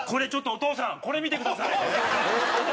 お父さん、これ見てください。